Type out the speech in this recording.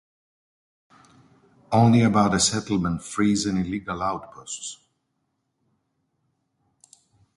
Only about a settlement freeze and illegal outposts.